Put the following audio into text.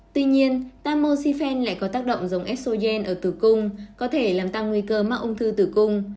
tuy nhiên tamoxifel lại có tác động giống shogen ở tử cung có thể làm tăng nguy cơ mắc ung thư tử cung